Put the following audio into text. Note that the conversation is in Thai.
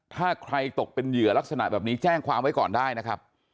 ถ้าใครตกเป็นเหยื่อลักษณะแบบนี้แจ้งความไว้ก่อนได้นะครับ